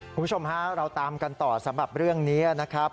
คุณผู้ชมฮะเราตามกันต่อสำหรับเรื่องนี้นะครับ